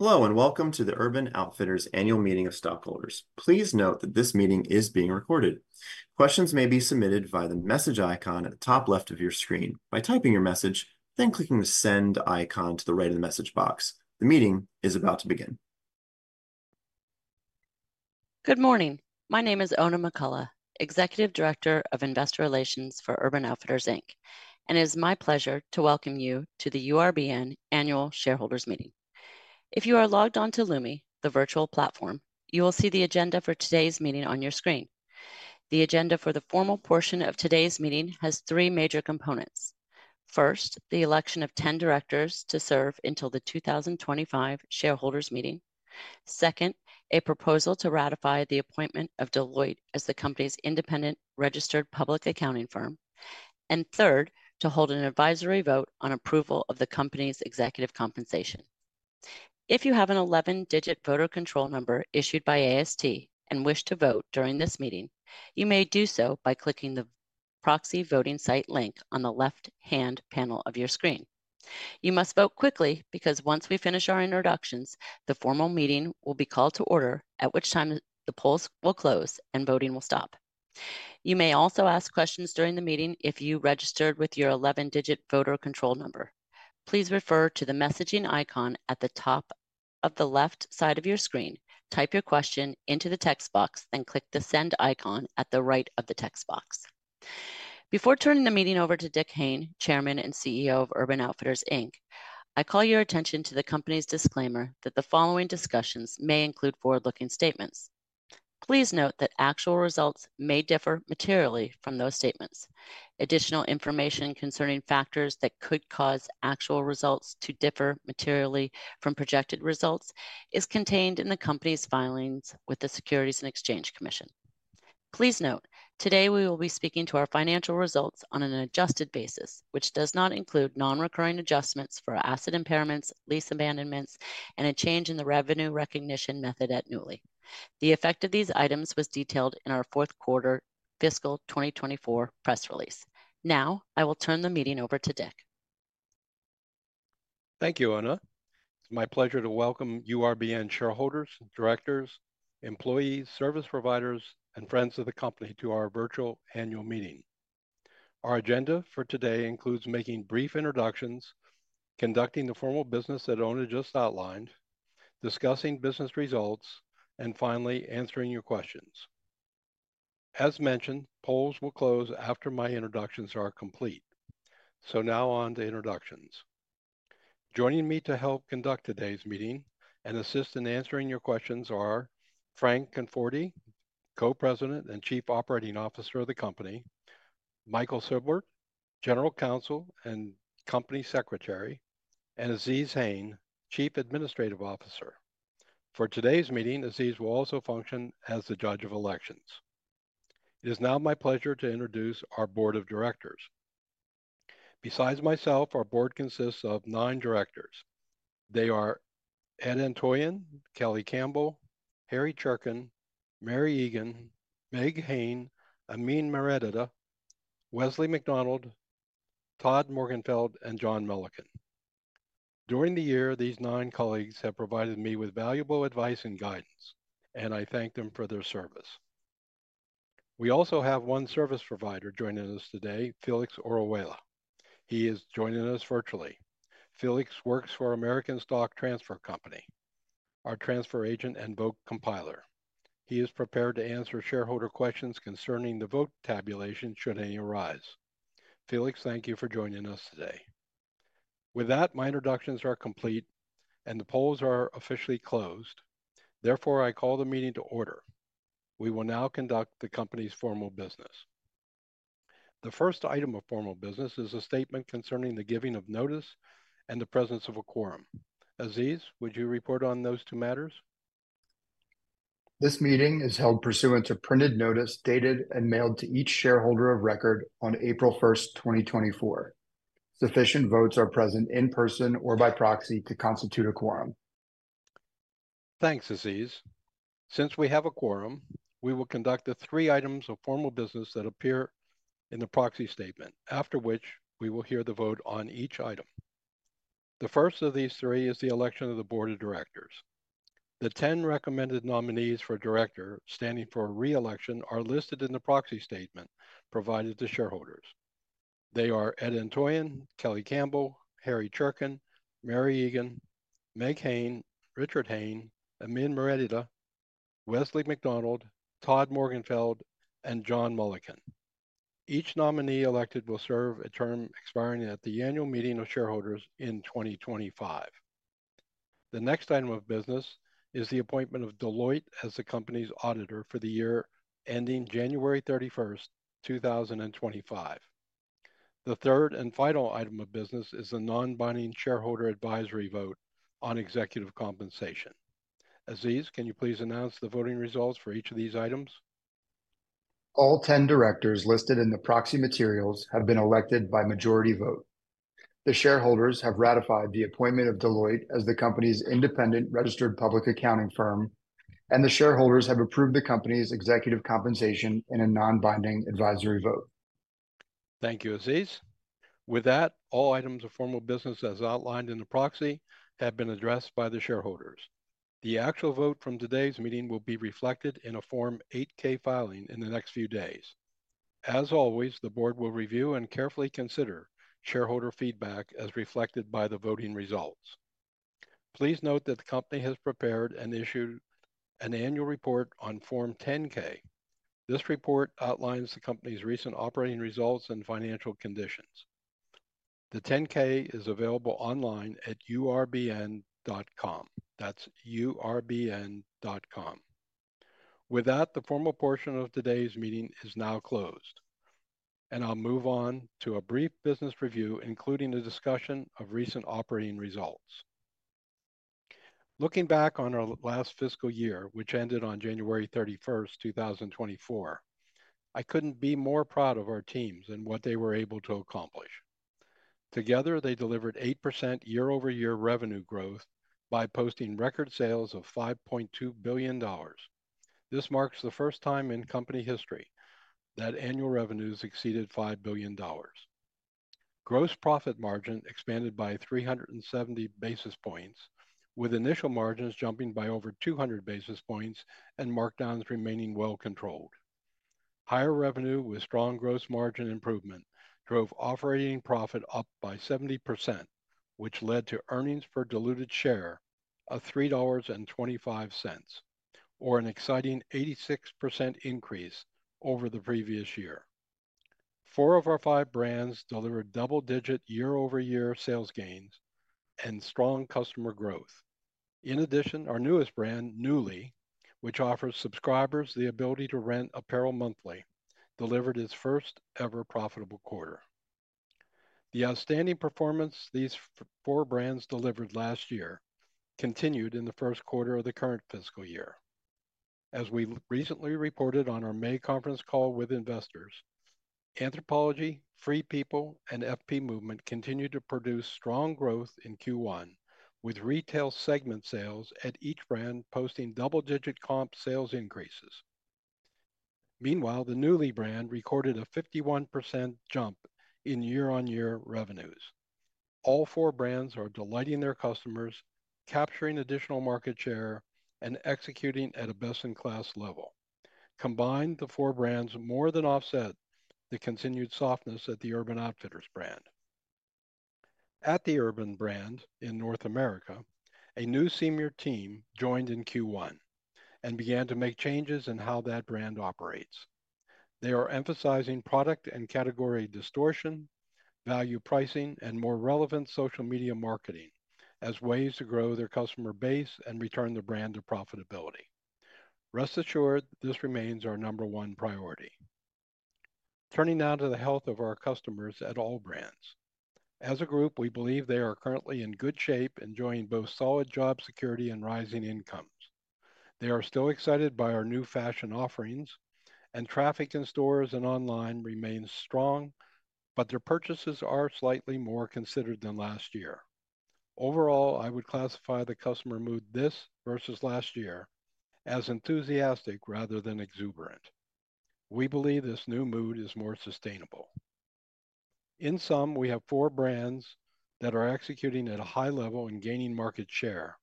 Hello, and welcome to the Urban Outfitters Annual Meeting of Stockholders. Please note that this meeting is being recorded. Questions may be submitted via the message icon at the top left of your screen by typing your message, then clicking the send icon to the right of the message box. The meeting is about to begin. Good morning. My name is Oona McCullough, Executive Director of Investor Relations for Urban Outfitters Inc, and it is my pleasure to welcome you to the URBN Annual Shareholders Meeting. If you are logged on to Lumi, the virtual platform, you will see the agenda for today's meeting on your screen. The agenda for the formal portion of today's meeting has three major components. First, the election of ten directors to serve until the 2025 shareholders meeting. Second, a proposal to ratify the appointment of Deloitte as the company's independent registered public accounting firm. And third, to hold an advisory vote on approval of the company's executive compensation. If you have an 11-digit voter control number issued by AST and wish to vote during this meeting, you may do so by clicking the proxy voting site link on the left-hand panel of your screen. You must vote quickly, because once we finish our introductions, the formal meeting will be called to order, at which time the polls will close and voting will stop. You may also ask questions during the meeting if you registered with your 11-digit voter control number. Please refer to the messaging icon at the top of the left side of your screen, type your question into the text box, then click the send icon at the right of the text box. Before turning the meeting over to Dick Hayne, Chairman and CEO of Urban Outfitters, Inc, I call your attention to the company's disclaimer that the following discussions may include forward-looking statements. Please note that actual results may differ materially from those statements. Additional information concerning factors that could cause actual results to differ materially from projected results is contained in the company's filings with the Securities and Exchange Commission. Please note, today we will be speaking to our financial results on an adjusted basis, which does not include non-recurring adjustments for asset impairments, lease abandonments, and a change in the revenue recognition method at Nuuly. The effect of these items was detailed in our fourth quarter fiscal 2024 press release. Now, I will turn the meeting over to Dick. Thank you, Oona. It's my pleasure to welcome URBN shareholders, directors, employees, service providers, and friends of the company to our virtual annual meeting. Our agenda for today includes making brief introductions, conducting the formal business that Oona just outlined, discussing business results, and finally, answering your questions. As mentioned, polls will close after my introductions are complete. So now on to introductions. Joining me to help conduct today's meeting and assist in answering your questions are Frank Conforti, Co-President and Chief Operating Officer of the company, Michael Silbert, General Counsel and Company Secretary, and Azeez Hayne, Chief Administrative Officer. For today's meeting, Azeez will also function as the Judge of Elections. It is now my pleasure to introduce our board of directors. Besides myself, our board consists of nine directors. They are Ed Antoian, Kelly Campbell, Harry Cherken, Mary Egan, Meg Hayne, Amin Maredia, Wesley McDonald, Todd Morgenfeld, and John Mulliken. During the year, these nine colleagues have provided me with valuable advice and guidance, and I thank them for their service. We also have one service provider joining us today, Felix Orihuela. He is joining us virtually. Felix works for American Stock Transfer & Trust Company, our transfer agent and vote compiler. He is prepared to answer shareholder questions concerning the vote tabulation, should any arise. Felix, thank you for joining us today. With that, my introductions are complete and the polls are officially closed. Therefore, I call the meeting to order. We will now conduct the company's formal business. The first item of formal business is a statement concerning the giving of notice and the presence of a quorum. Azeez, would you report on those two matters? This meeting is held pursuant to printed notice, dated and mailed to each shareholder of record on April 1, 2024. Sufficient votes are present in person or by proxy to constitute a quorum. Thanks, Azeez. Since we have a quorum, we will conduct the three items of formal business that appear in the proxy statement, after which we will hear the vote on each item. The first of these three is the election of the board of directors. The 10 recommended nominees for director standing for re-election are listed in the proxy statement provided to shareholders. They are Ed Antoian, Kelly Campbell, Harry Cherken, Mary Egan, Meg Hayne, Richard Hayne, Amin Maredia, Wesley McDonald, Todd Morgenfeld, and John Mulliken. Each nominee elected will serve a term expiring at the annual meeting of shareholders in 2025. The next item of business is the appointment of Deloitte as the company's auditor for the year ending January 31st, 2025. The third and final item of business is a non-binding shareholder advisory vote on executive compensation. Azeez, can you please announce the voting results for each of these items? All 10 directors listed in the proxy materials have been elected by majority vote. The shareholders have ratified the appointment of Deloitte as the company's independent registered public accounting firm, and the shareholders have approved the company's executive compensation in a non-binding advisory vote. Thank you, Azeez. With that, all items of formal business as outlined in the proxy have been addressed by the shareholders. The actual vote from today's meeting will be reflected in a Form 8-K filing in the next few days. As always, the board will review and carefully consider shareholder feedback as reflected by the voting results. Please note that the company has prepared and issued an annual report on Form 10-K. This report outlines the company's recent operating results and financial conditions. The 10-K is available online at urbn.com. That's urbn.com. With that, the formal portion of today's meeting is now closed, and I'll move on to a brief business review, including a discussion of recent operating results. Looking back on our last fiscal year, which ended on January 31st, 2024, I couldn't be more proud of our teams and what they were able to accomplish. Together, they delivered 8% year-over-year revenue growth by posting record sales of $5.2 billion. This marks the first time in company history that annual revenues exceeded $5 billion. Gross profit margin expanded by 370 basis points, with initial margins jumping by over 200 basis points and markdowns remaining well controlled. Higher revenue with strong gross margin improvement drove operating profit up by 70%, which led to earnings per diluted share of $3.25, or an exciting 86% increase over the previous year. Four of our five brands delivered double-digit year-over-year sales gains and strong customer growth. In addition, our newest brand, Nuuly, which offers subscribers the ability to rent apparel monthly, delivered its first-ever profitable quarter. The outstanding performance these four brands delivered last year continued in the first quarter of the current fiscal year. As we recently reported on our May conference call with investors, Anthropologie, Free People, and FP Movement continued to produce strong growth in Q1, with retail segment sales at each brand posting double-digit comp sales increases. Meanwhile, the Nuuly brand recorded a 51% jump in year-on-year revenues. All four brands are delighting their customers, capturing additional market share, and executing at a best-in-class level. Combined, the four brands more than offset the continued softness at the Urban Outfitters brand. At the Urban brand in North America, a new senior team joined in Q1 and began to make changes in how that brand operates. They are emphasizing product and category distortion, value pricing, and more relevant social media marketing as ways to grow their customer base and return the brand to profitability. Rest assured, this remains our number one priority. Turning now to the health of our customers at all brands. As a group, we believe they are currently in good shape, enjoying both solid job security and rising incomes. They are still excited by our new fashion offerings, and traffic in stores and online remains strong, but their purchases are slightly more considered than last year. Overall, I would classify the customer mood this versus last year as enthusiastic rather than exuberant. We believe this new mood is more sustainable. In sum, we have four brands that are executing at a high level and gaining market share,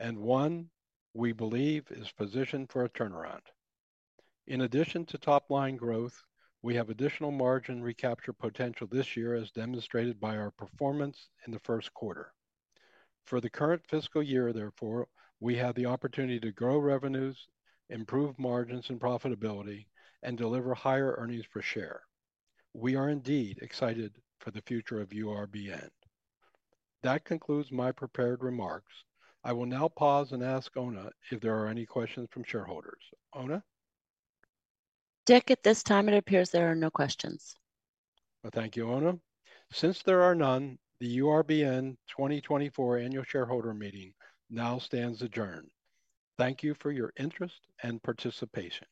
and one we believe is positioned for a turnaround. In addition to top-line growth, we have additional margin recapture potential this year, as demonstrated by our performance in the first quarter. For the current fiscal year, therefore, we have the opportunity to grow revenues, improve margins and profitability, and deliver higher earnings per share. We are indeed excited for the future of URBN. That concludes my prepared remarks. I will now pause and ask Oona if there are any questions from shareholders. Oona? Dick, at this time, it appears there are no questions. Well, thank you, Oona. Since there are none, the URBN 2024 Annual Shareholder Meeting now stands adjourned. Thank you for your interest and participation.